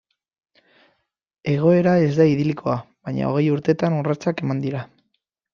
Egoera ez da idilikoa, baina hogei urtetan urratsak eman dira.